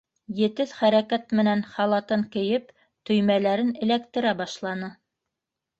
Етеҙ хәрәкәт менән халатын кейеп, төймәләрен эләктерә башланы: